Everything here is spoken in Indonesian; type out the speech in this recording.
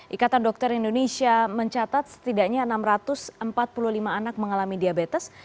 ikatan dokter indonesia mencatat setidaknya enam ratus empat puluh lima anak mengalami diabetes